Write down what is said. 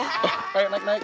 naik naik naik